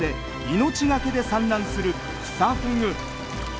命懸けで産卵するクサフグ。